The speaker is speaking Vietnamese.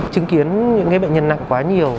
chứng kiến những bệnh nhân nặng quá nhiều